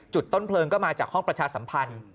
ต้นเพลิงก็มาจากห้องประชาสัมพันธ์